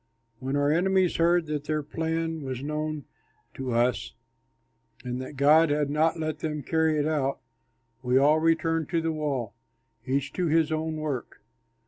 When our enemies heard that their plan was known to us and that God had not let them carry it out, we all returned to the wall, each to his own work.